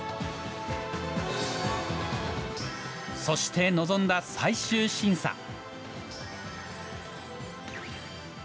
そして、臨んだ最終審査。